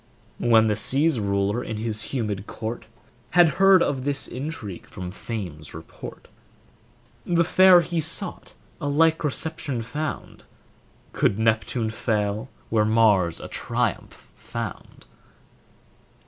When the sea's ruler in his humid court Had heard of this intrigue from fame's report, The fair he sought, a like reception found, Could Neptune fail where Mars a triumph found?